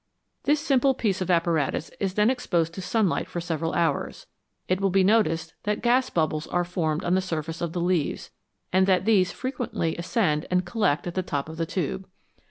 This simple piece of apparatus is then exposed to sunlight for several hours. It will be noticed that gas bubbles are formed on the surface of the leaves, and that these frequently ascend and collect at the top of the tube.